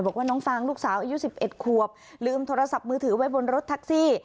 บอกว่าน้องฟางลูกสาวอายุ๑๑ขวบลืมโทรศัพท์มือถือไว้บนรถแท็กซี่